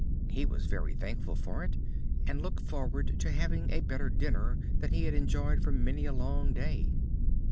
He was very thankful for it, and looked forward to having a better dinner than he had enjoyed for many a long day.